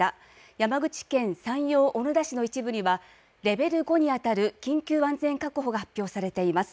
山口県山陽小野田市の一部にはレベル５に当たる緊急安全確保が発表されています。